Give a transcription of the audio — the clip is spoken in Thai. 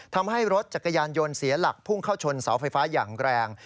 ทำให้รถจักรยานยนต์เสียหลักพุ่งเข้าชนเสาไฟฟ้าอย่างแรง